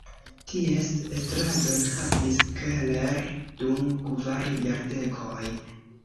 Ties estradon havis Keller dum kvar jardekoj.